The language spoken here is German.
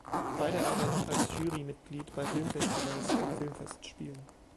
Beide arbeiten als Jury-Mitglieder bei Filmfestivals und Filmfestspielen.